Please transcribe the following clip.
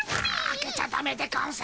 開けちゃダメでゴンス。